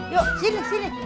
yuk sini sini